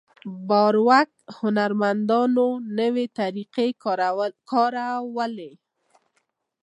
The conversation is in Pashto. باروک هنرمندانو نوې طریقې کارولې.